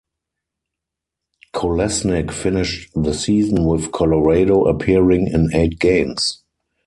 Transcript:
Kolesnik finished the season with Colorado, appearing in eight games.